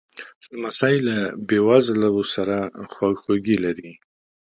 لمسی له بېوزلو سره خواخوږي لري.